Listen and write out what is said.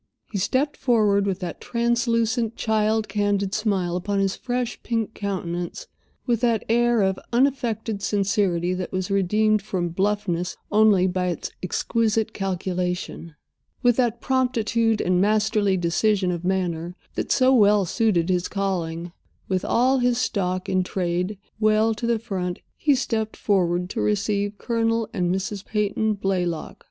He stepped forward, with that translucent, child candid smile upon his fresh, pink countenance, with that air of unaffected sincerity that was redeemed from bluffness only by its exquisite calculation, with that promptitude and masterly decision of manner that so well suited his calling—with all his stock in trade well to the front; he stepped forward to receive Colonel and Mrs. Peyton Blaylock.